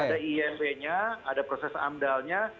ada imb nya ada proses amdalnya